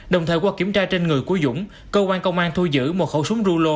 đồng thời qua kiểm tra trên người của dũng cơ quan công an thu giữ một khẩu súng rulo